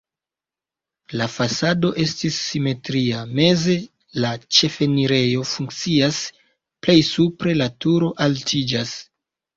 La fasado estis simetria, meze la ĉefenirejo funkcias, plej supre la turo altiĝas.